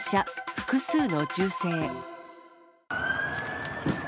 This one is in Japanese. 複数の銃声。